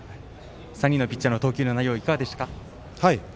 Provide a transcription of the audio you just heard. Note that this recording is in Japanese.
３人のピッチャーの投球の内容いかがでしたか？